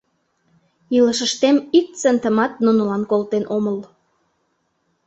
Илышыштем ик центымат нунылан колтен омыл.